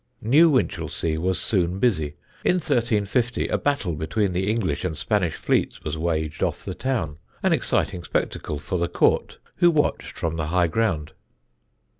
New Winchelsea was soon busy. In 1350 a battle between the English and Spanish fleets was waged off the town, an exciting spectacle for the Court, who watched from the high ground.